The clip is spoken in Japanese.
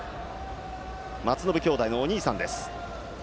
松延兄弟のお兄さんです。